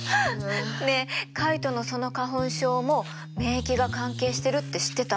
ねえカイトのその花粉症も免疫が関係してるって知ってた？